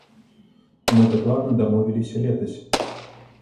Мы дакладна дамовіліся летась!